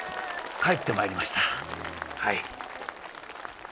帰ってまいりました。